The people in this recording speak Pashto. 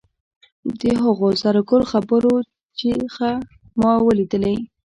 د هغو زرو ګل خبرو څخه چې ما ولیدلې.